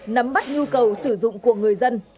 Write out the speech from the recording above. nắm bắt nhu cầu sử dụng của người dân